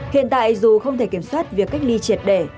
hiện tại dù không thể kiểm soát việc cách ly triệt để